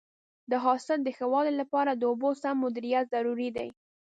د حاصل د ښه والي لپاره د اوبو سم مدیریت ضروري دی.